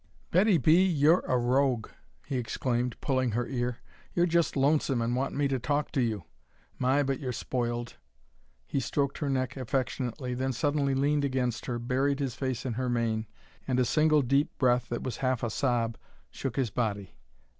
"Betty B., you're a rogue!" he exclaimed, pulling her ear. "You're just lonesome and want me to talk to you! My, but you're spoiled!" He stroked her neck affectionately, then suddenly leaned against her, buried his face in her mane, and a single deep breath that was half a sob shook his body.